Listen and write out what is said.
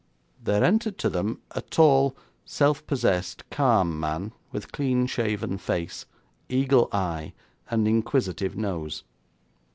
There entered to them a tall, self possessed, calm man, with clean shaven face, eagle eye, and inquisitive nose.